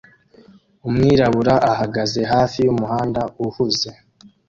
Umwirabura ahagaze hafi yumuhanda uhuze